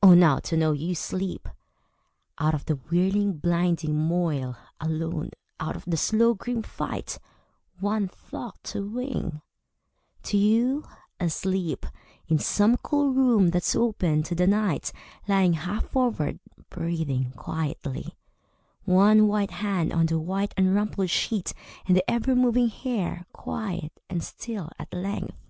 Oh, now to know you sleep! Out of the whirling blinding moil, alone, Out of the slow grim fight, One thought to wing to you, asleep, In some cool room that's open to the night Lying half forward, breathing quietly, One white hand on the white Unrumpled sheet, and the ever moving hair Quiet and still at length!